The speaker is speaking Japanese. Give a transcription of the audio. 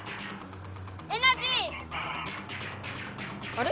あれ？